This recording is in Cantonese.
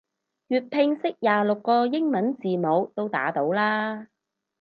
粵拼識廿六個英文字母都打到啦